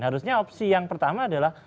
harusnya opsi yang pertama adalah